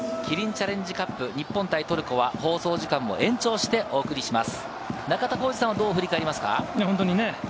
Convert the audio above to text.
キリンチャレンジカップ日本対トルコは放送時間を延長してお送りします。